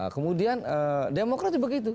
kemudian demokrati begitu